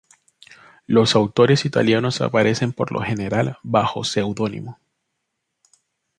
Los autores italianos aparecen por lo general bajo seudónimo.